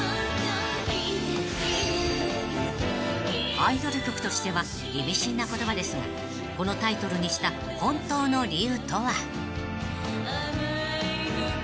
［アイドル曲としては意味深な言葉ですがこのタイトルにした本当の理由とは？］